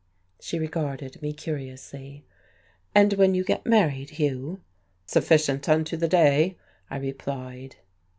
She regarded me curiously. "And when you get married, Hugh?" "Sufficient unto the day," I replied.